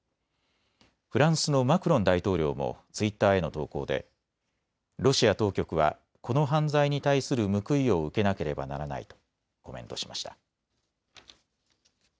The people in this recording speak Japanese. フランスのマクロン大統領もツイッターへの投稿でロシア当局は、この犯罪に対する報いを受けなければならないとコメントしました。